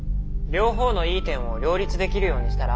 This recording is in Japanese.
「両方のいい点を両立できるようにしたら？」。